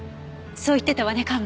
そう言ってたわね